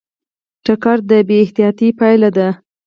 ټکر د بې احتیاطۍ پایله ده.